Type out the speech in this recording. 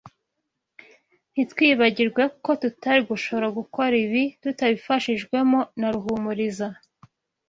Ntitwibagirwe ko tutari gushobora gukora ibi tutabifashijwemo na Ruhumuriza.